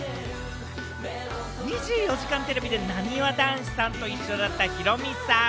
『２４時間テレビ』でなにわ男子さんと一緒だったヒロミさん。